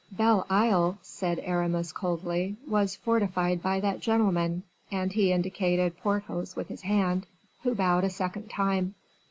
"Belle Isle," said Aramis, coldly, "was fortified by that gentleman," and he indicated Porthos with his hand, who bowed a second time.